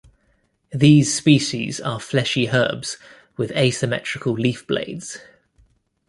These species are fleshy herbs, with asymmetrical leaf blades.